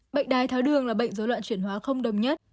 bệnh đái tháo đường là bệnh dối loạn chuyển hóa không đồng nhất